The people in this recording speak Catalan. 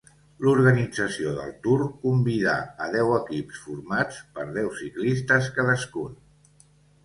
L'organització del Tour convidà a deu equips formats per deu ciclistes cadascun.